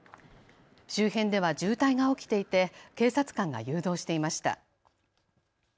周辺では渋滞が起きていて警察官が誘導していました。